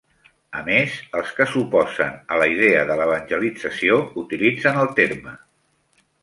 A més, els que s'oposen a la idea de l'evangelització utilitzen el terme.